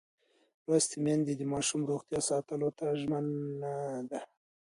لوستې میندې د ماشوم روغتیا ساتلو ته ژمنه ده.